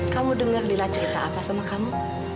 kamu denger lila cerita apa sama kamu